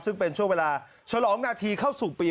ซึ่งเป็นช่วงเวลาฉลองนาทีเข้าสู่ปี